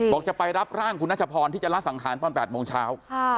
จะไปรับร่างคุณนัชพรที่จะละสังขารตอน๘โมงเช้า